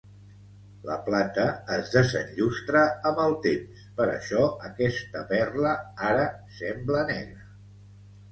La plata es desenllustra amb el temps, per això aquesta perla ara sembla negra.